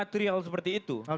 apa material seperti itu